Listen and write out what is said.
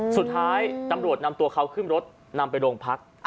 สุดท้ายตำรวจนำตัวเขาขึ้นรถนำไปโรงพัก